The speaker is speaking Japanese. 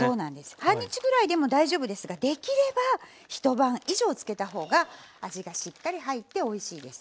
半日ぐらいでも大丈夫ですができれば一晩以上漬けた方が味がしっかり入っておいしいです。